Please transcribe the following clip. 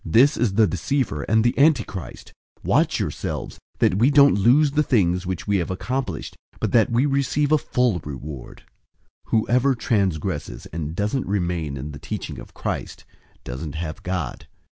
This is the deceiver and the Antichrist. 001:008 Watch yourselves, that we don't lose the things which we have accomplished, but that we receive a full reward. 001:009 Whoever transgresses and doesn't remain in the teaching of Christ, doesn't have God.